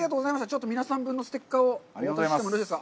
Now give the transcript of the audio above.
ちょっと皆さん分のステッカーをお渡ししてもよろしいですか。